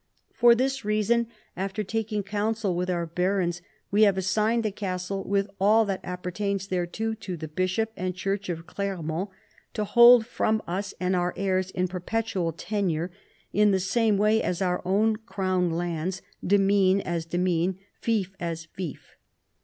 For this reason, after taking counsel with our barons, we have assigned the castle with all that appertains thereto to the bishop and church of Clermont, to hold from us and our heirs in perpetual tenure in the same way as our other crown lands, demesne as demesne, fief as fief.